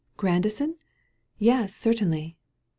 Grandison?"— "Yes, certainly!''